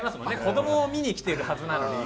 子どもを見に来てるはずなのに。